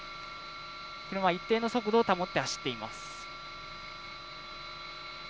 車は一定の速度を保って走っています。